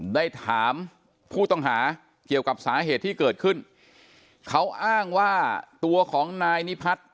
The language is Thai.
ได้ถามผู้ต้องหาเกี่ยวกับสาเหตุที่เกิดขึ้นเขาอ้างว่าตัวของนายนิพัฒน์